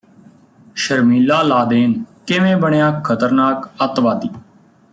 ਸ਼ਰਮੀਲਾ Laden ਕਿਵੇਂ ਬਣਿਆ ਖ਼ਤਰਨਾਕ ਅੱਤਵਾਦੀ